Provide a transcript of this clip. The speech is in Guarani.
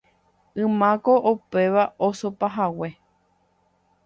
Ymáko upéva osopahague